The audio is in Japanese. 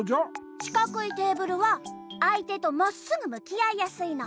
しかくいてーぶるはあいてとまっすぐむきあいやすいの。